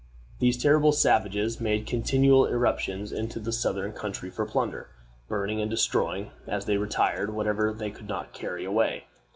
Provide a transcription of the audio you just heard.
These terrible savages made continual irruptions into the southern country for plunder, burning and destroying, as they retired, whatever they could not carry away.